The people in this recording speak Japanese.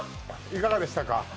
いかがでしたか？